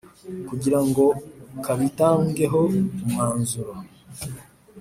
kugira ngo kabitangeho umwanzuro,